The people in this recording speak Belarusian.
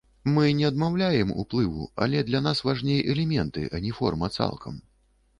Мы не адмаўляем уплыву, але для нас важней элементы, а не форма цалкам.